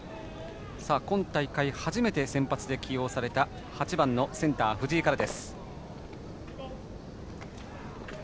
今大会、初めて先発で起用された８番センター、藤井から。